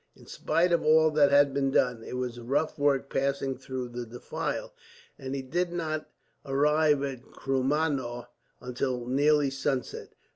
In spite of all that had been done, it was rough work passing through the defile, and he did not arrive at Krumnau until nearly sunset.